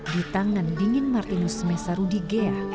di tangan dingin martinus mesa rudigea